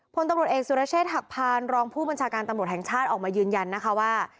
พลตำรวจเอกสุรเชษฐหักพานรองผู้บัญชาการตำรวจแห่งชาติออกมายืนยันนะคะว่า